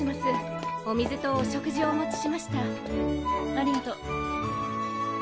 ありがとう。